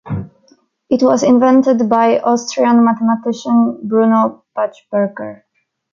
It was invented by Austrian mathematician Bruno Buchberger.